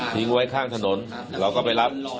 ไว้ข้างถนนเราก็ไปรับ